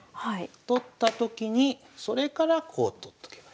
取ったときにそれからこう取っとけばいい。